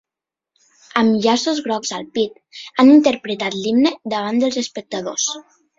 Amb llaços grocs al pit, han interpretat l’himne davant dels espectadors.